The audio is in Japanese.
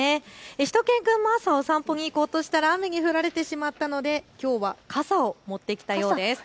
しゅと犬くんも朝お散歩に行こうとしたら雨に降られてしまったのできょうは傘を持ってきたようです。